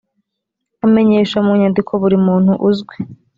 amenyesha mu nyandiko buri muntu uzwi.